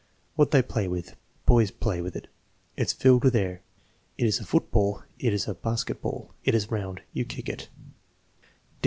"What they play with." "Boys play with it." "It's filled with air." "It is a foot ball." "It is a basket ball." "It is round." "You kick it."